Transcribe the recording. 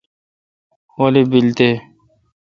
غلی بیل تے۔